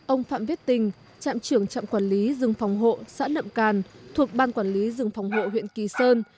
ông phạm viết tình trạm trưởng trạm quản lý rừng phòng hộ xã nậm càn thuộc ban quản lý rừng phòng hộ huyện kỳ sơn